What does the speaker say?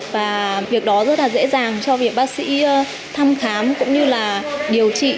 và việc đó rất là dễ dàng cho việc bác sĩ thăm khám cũng như là điều trị